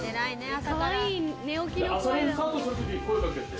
朝練スタートする時声かけて。